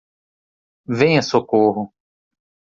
Venha Socorro.